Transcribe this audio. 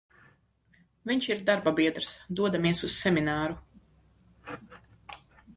Vinš ir darbabiedrs, dodamies uz semināru.